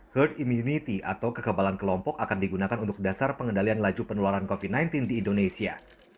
herd immunity atau kekebalan kelompok akan digunakan untuk dasar pengendalian laju penularan covid sembilan belas di indonesia